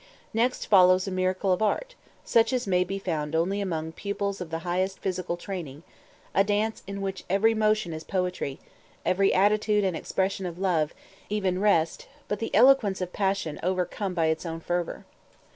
Next follows a miracle of art, such as may be found only among pupils of the highest physical training; a dance in which every motion is poetry, every attitude an expression of love, even rest but the eloquence of passion overcome by its own fervor.